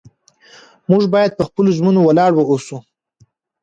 موږ باید په خپلو ژمنو ولاړ واوسو